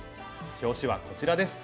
表紙はこちらです。